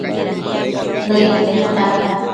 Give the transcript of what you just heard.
Nëid peta